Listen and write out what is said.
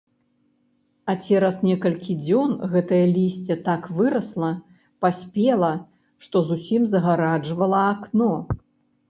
А цераз некалькі дзён гэтае лісце так вырасла, паспела, што зусім загараджвала акно.